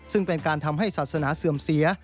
ซึ่งเป็นการทำให้ศาสนาเสื่อมเสีย